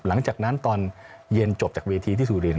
หลังจากนั้นตอนเย็นจบจากเวทีที่สุรินท